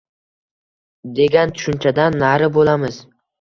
degan tushunchadan nari bo‘lamiz.